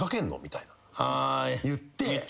言って。